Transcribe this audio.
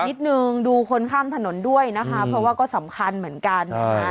นิดนึงดูคนข้ามถนนด้วยนะคะเพราะว่าก็สำคัญเหมือนกันนะคะ